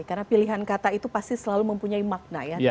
karena pilihan kata itu pasti selalu mempunyai makna ya